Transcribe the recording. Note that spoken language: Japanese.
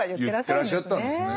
言ってらっしゃったんですね。